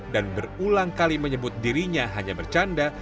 berulang kali menyebut dirinya hanya bercanda